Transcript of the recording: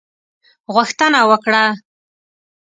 غوښتنه وکړه.